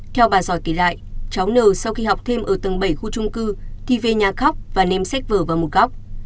theo bà giỏi kể lại cháu n sau khi học thêm ở tầng bảy khu trung cư thì về nhà khóc và nêm xách vở vào một góc